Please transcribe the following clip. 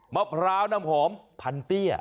มะพร้าวน้ำหอมพันเตี้ย